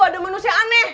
ada manusia aneh